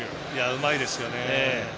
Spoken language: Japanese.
うまいですよね。